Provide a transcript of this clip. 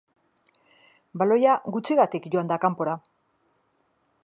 Baloia gutxigatik joan da kanpora.